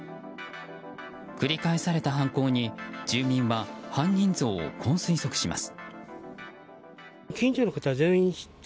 繰り返された犯行に住民は犯人像をこう推測します。